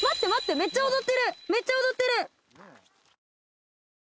めっちゃ踊ってる。